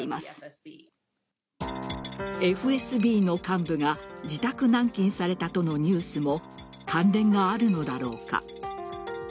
ＦＳＢの幹部が自宅軟禁されたとのニュースも関連があるのだろうか。